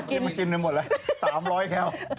ก็มากินหนึ่งหมดแล้ว๓๐๐แคล